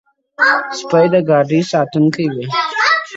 د مجلس په ترڅ کي ئې مبارکي راکړه